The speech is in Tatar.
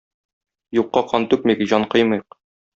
Юкка кан түкмик, җан кыймыйк.